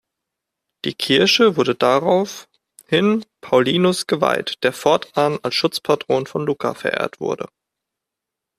Die Kirche wurde daraufhin Paulinus geweiht, der fortan als Schutzpatron von Lucca verehrt wurde.